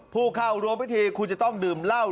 ผู้เข้าร่วมพิธีคุณจะต้องดื่มเหล้า